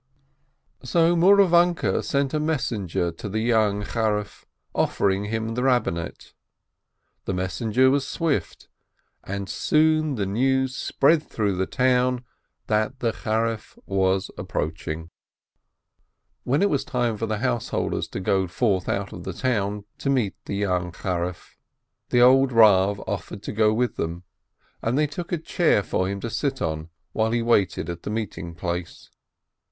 So Mouravanke sent a messenger to the young Charif, offering him the Rabbinate. The messenger was swift, and soon the news spread through the town that the Charif was approaching. THE LAST OF THEM 575 When it was time for the householders to go forth out of the town, to meet the young Charif, the old Rav offered to go with them, and they took a chair for him to sit in while he waited at the meeting place.